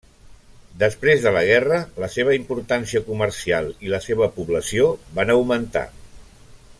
Després de la guerra, la seva importància comercial i la seva població van augmentar.